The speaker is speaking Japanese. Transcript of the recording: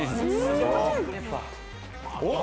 おっ！